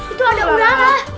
itu ada ulana